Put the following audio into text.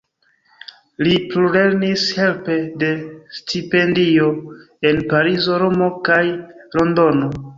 Li plulernis helpe de stipendio en Parizo, Romo kaj Londono.